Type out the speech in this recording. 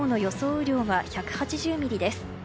雨量は１８０ミリです。